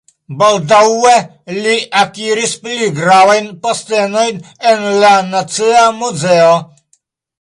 Baldaŭe li akiris pli gravajn postenojn en la Nacia Muzeo.